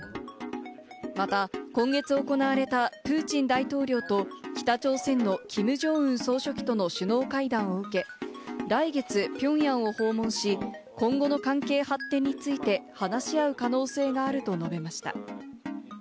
また今月行われたプーチン大統領と北朝鮮のキム・ジョンウン総書記との首脳会談を受け、来月ピョンヤンを訪問し、今後の関係発展について話し合う可能性があると述べました。